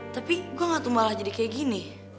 tapi gue gak tumpah jadi kayak gini